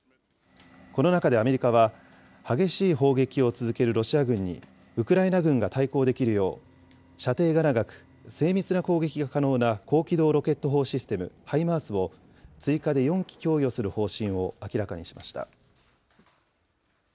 この中でアメリカは、激しい砲撃を続けるロシア軍に、ウクライナ軍が対抗できるよう、射程が長く、精密な攻撃が可能な高機動ロケット砲システム・ハイマースを、追加で４基供与する方針を明らかにしました。